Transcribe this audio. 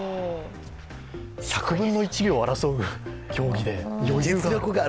１００分の１秒を争う競技で余裕が。